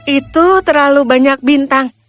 itu terlalu banyak bintang